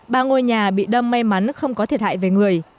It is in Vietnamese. ba ngôi nhà bị đâm may mắn không có thiệt hại về người